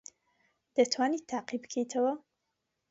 دەتوانیت تاقی بکەیتەوە؟